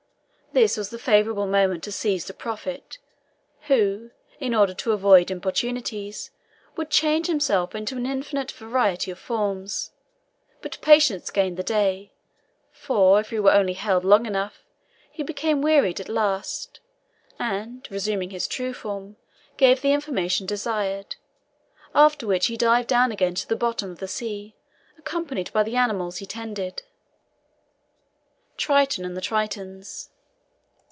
This was the favourable moment to seize the prophet, who, in order to avoid importunities, would change himself into an infinite variety of forms. But patience gained the day; for if he were only held long enough, he became wearied at last, and, resuming his true form, gave the information desired, after which he dived down again to the bottom of the sea, accompanied by the animals he tended. TRITON and the TRITONS.